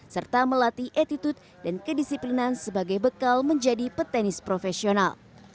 serta melatih attitude dan kedisiplinan sebagai bekal menjadi petenis profesional